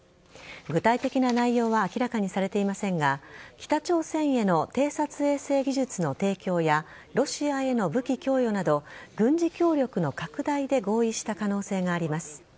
具体的な内容は明らかにされていませんが北朝鮮への偵察衛星技術の提供やロシアへの武器供与など軍事協力の拡大で合意した可能性があります。